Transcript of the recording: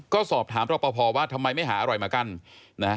ก็สอบถามเราพอว่าทำไมไม่หาอร่อยมากัน